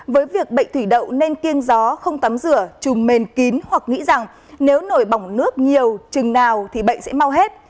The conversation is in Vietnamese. với việc bệnh thủy đậu nên kiêng gió không tắm rửa trùng mền kín hoặc nghĩ rằng nếu nổi bỏng nước nhiều chừng nào thì bệnh sẽ mau hết